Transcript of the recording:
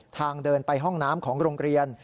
เดินไปห้องน้ำของโรงเรียน